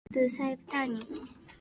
Neo chooses to save Trinity.